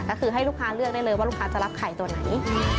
ก็คือให้ลูกค้าเลือกได้เลยว่าลูกค้าจะรับไข่ตัวไหน